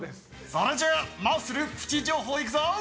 それじゃあマッスルプチ情報いくぞ！